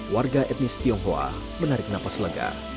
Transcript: warga etnis tionghoa menarik nafas lega